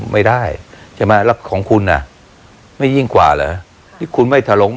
ไม่ได้ใช่ไหมแล้วของคุณอ่ะไม่ยิ่งกว่าเหรอที่คุณไม่ถลง